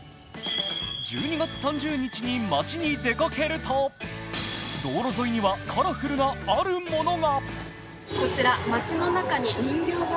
１２月３０日に街に出かけると、道路沿いにはカラフルなあるものが。